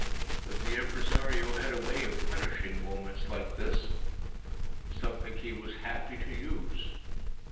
But the impresario had a way of punishing moments like this, something he was happy to use.